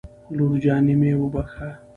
لور جانې ما وبښه